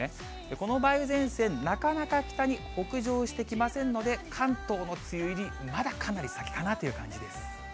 この梅雨前線、なかなか北に北上してきませんので、関東の梅雨入り、まだかなり先かなという感じです。